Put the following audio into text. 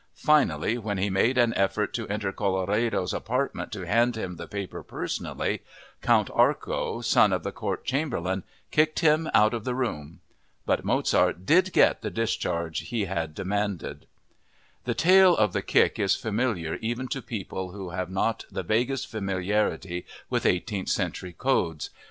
Finally, when he made an effort to enter Colloredo's apartment to hand him the paper personally, Count Arco, son of the court chamberlain, kicked him out of the room. But Mozart did get the discharge he had demanded. The tale of the kick is familiar even to people who have not the vaguest familiarity with eighteenth century codes.